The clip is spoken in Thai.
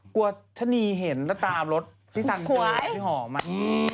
กลัวทะนีเห็นแล้วตามรถที่ซังเกิดพี่หอมมา